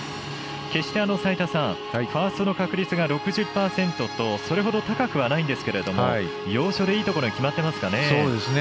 決して、齋田さんファーストの確率が６０％とそれほど高くはないんですけれど要所で、いいところに決まってますかね。